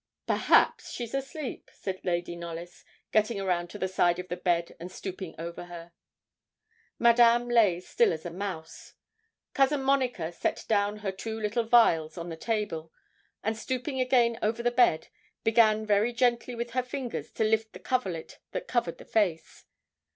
'Perhaps she's asleep?' said Lady Knollys, getting round to the side of the bed, and stooping over her. Madame lay still as a mouse. Cousin Monica set down her two little vials on the table, and, stooping again over the bed, began very gently with her fingers to lift the coverlet that covered her face.